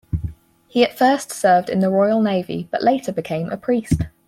He at first served in the Royal Navy but later became a priest.